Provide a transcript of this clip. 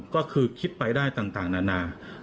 ก็คือคิดไปได้ต่างนานา